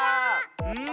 うん。